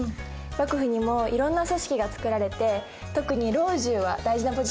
幕府にもいろんな組織が作られて特に老中は大事なポジションだったよね。